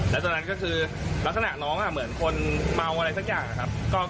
แล้วตอนนั้นก็คือลักษณะน้องเหมือนคนเมาอะไรสักอย่างนะครับ